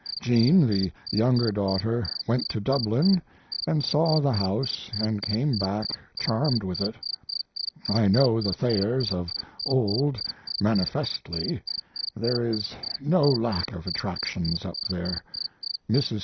Jean, the younger daughter, went to Dublin & saw the house & came back charmed with it. I know the Thayers of old manifestly there is no lack of attractions up there. Mrs.